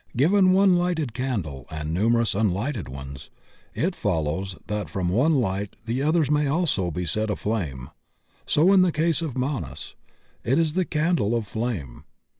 Given one lighted candle and numerous unlighted ones, it fol lows that from one light the others may also be set aflame. So in the case of Manas. It is the candle of flame.